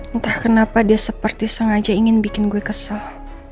entah kenapa dia seperti sengaja ingin bikin gue kesal